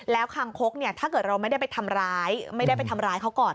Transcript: แล้วคางคกเนี่ยถ้าเกิดเราไม่ได้ไปทำร้ายเขาก่อน